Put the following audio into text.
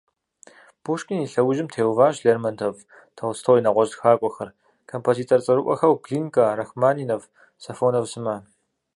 Пушкин и лъэужьым теуващ Лермонтов, Толстой, нэгъуэщӀ тхакӀуэхэр, композитор цӀэрыӀуэхэу Глинкэ, Рахманинов, Сафонов сымэ.